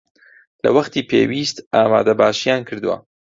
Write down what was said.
لە وەختی پێویست ئامادەباشییان کردووە